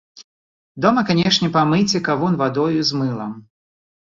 Дома канечне памыйце кавун вадою з мылам.